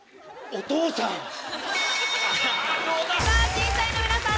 審査員の皆さん